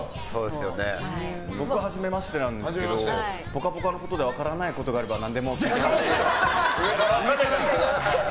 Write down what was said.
僕ははじめましてなんですけど「ぽかぽか」のことで分からないことがあれば上から行くな！